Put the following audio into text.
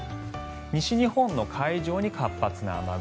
西日本の海上に活発な雨雲。